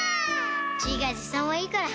自画自賛はいいから。